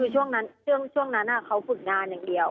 ช่วงนั้นเขาฝึกงานอย่างเดียว